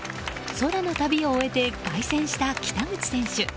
空の旅を終えて凱旋した北口選手。